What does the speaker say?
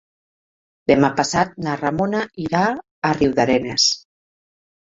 Demà passat na Ramona irà a Riudarenes.